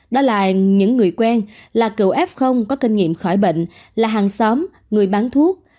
đó là những người quen là cựu f có kinh nghiệm khỏi bệnh là hàng xóm người bán thuốc